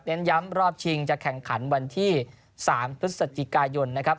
ย้ำรอบชิงจะแข่งขันวันที่๓พฤศจิกายนนะครับ